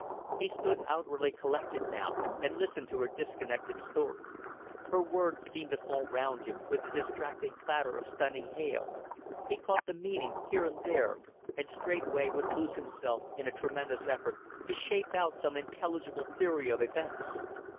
He stood outwardly collected now, and listened to her disconnected story. Her words seemed to fall round him with the distracting clatter of stunning hail. He caught the meaning here and there, and straightway would lose himself in a tremendous effort to shape out some intelligible theory of events.